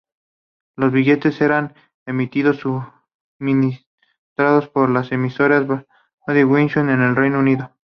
Los billetes eran emitidos y suministrados por las emisoras Bradbury Wilkinson del Reino Unido.